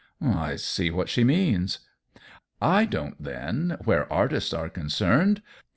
" I see what she means." "I don't, then — where artists are con cerned.